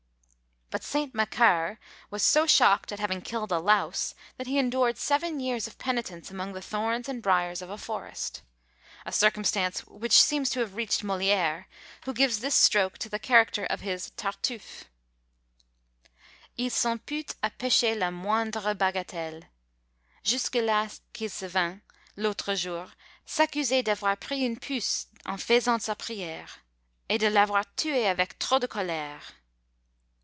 But St. Macaire was so shocked at having killed a louse, that he endured seven years of penitence among the thorns and briars of a forest. A circumstance which seems to have reached Molière, who gives this stroke to the character of his Tartuffe: Il s'impute à péché la moindre bagatelle; Jusques là qu'il se vint, l'autre jour, s'accuser D'avoir pris une puce en faisant sa prière, Et de l'avoir tuée avec trop de colère!